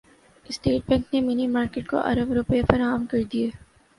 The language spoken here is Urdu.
اسٹیٹ بینک نےمنی مارکیٹ کو ارب روپے فراہم کردیے